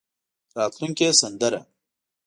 راتلونکې سندره.